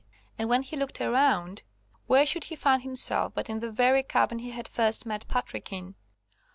And when he looked around, where should he find himself but in the very cabin he had first met Patrick in.